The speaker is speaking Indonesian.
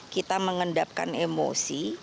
kita mengendapkan emosi